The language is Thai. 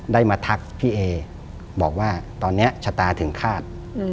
ได้มาทักพี่เอบอกว่าตอนนี้ชะตาถึงฆาต